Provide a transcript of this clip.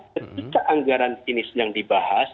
ketika anggaran ini sedang dibahas